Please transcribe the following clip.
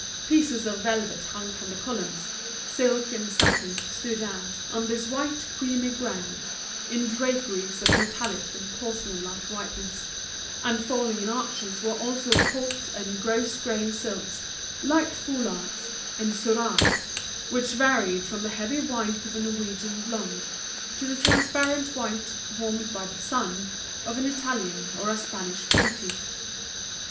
Pieces of velvet hung from the columns, silk and satins stood out, on this white creamy ground, in draperies of a metallic and porcelain like whiteness: and falling in arches were also poult and gros grain silks, light foulards, and surahs, which varied from the heavy white of a Norwegian blonde to the transparent white, warmed by the sun, of an Italian or a Spanish beauty.